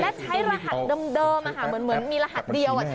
และใช้รหัสเดิมเหมือนมีรหัสเดียว